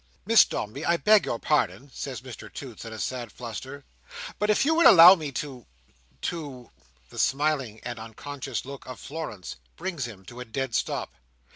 "Miss Dombey, I beg your pardon," says Mr Toots, in a sad fluster, "but if you would allow me to—to—" The smiling and unconscious look of Florence brings him to a dead stop.